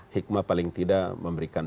hikmah paling tidak memberikan